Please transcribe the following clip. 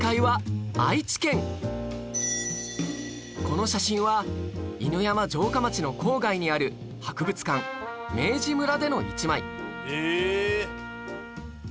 この写真は犬山城下町の郊外にある博物館明治村での一枚へえ！